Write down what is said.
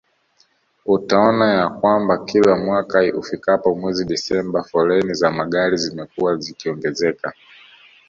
Utaona ya kwamba kila mwaka ufikapo mwezi Desemba foleni za magari zimekuwa zikiongezeka